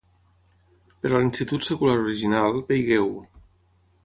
Per a l'institut secular original, vegeu: